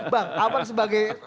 bang apa sebagai